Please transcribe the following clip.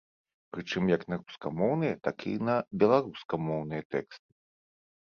Прычым як на рускамоўныя, так і на беларускамоўныя тэксты.